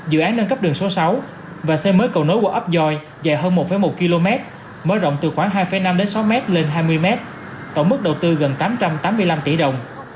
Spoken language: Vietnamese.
dự án nâng cấp đường số sáu và xây mới cầu nối qua ấp gioi dài hơn một một km mở rộng từ khoảng hai năm đến sáu m lên hai mươi m tổng mức đầu tư gần tám trăm tám mươi năm tỷ đồng